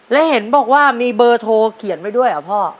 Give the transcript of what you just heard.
และเห็นบอกว่ามีเบอร์โทรเขียนไว้ด้วยเหรอพ่อ